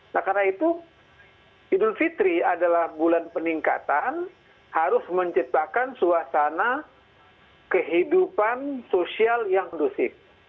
nah karena itu idul fitri adalah bulan peningkatan harus menciptakan suasana kehidupan sosial yang kondusif